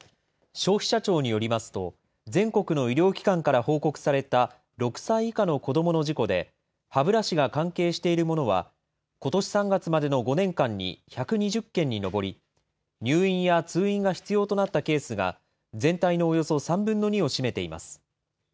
消費者庁によりますと、全国の医療機関から報告された６歳以下の子どもの事故で、歯ブラシが関係しているものは、ことし３月までの５年間に１２０件に上り、入院や通院が必要となったケースが全体のおよそ３分の２を占めています。